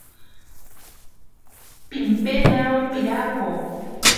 Pimpenaro pirako.